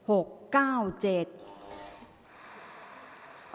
ออกรางวัลที่๖เลขที่๗